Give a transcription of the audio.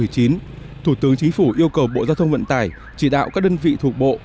chính phủ yêu cầu bộ giao thông vận tải chỉ đạo các đơn vị thuộc bộ